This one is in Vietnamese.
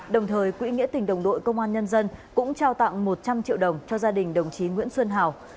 đồng thời quỹ nghĩa tình đồng đội công an nhân dân cũng trao tặng một trăm linh triệu đồng cho gia đình đồng chí nguyễn xuân hào